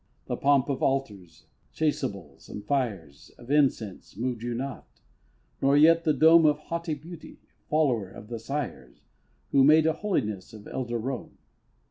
The pomp of altars, chasubles, and fires Of incense, moved you not; nor yet the dome Of haughty beauty follower of the Sires Who made a holiness of elder Rome.